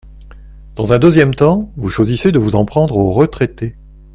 Dans un deuxième temps, vous choisissez de vous en prendre aux retraités.